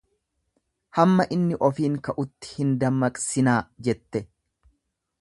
hamma inni ofiin ka'utti hin dammaqsinaa jette.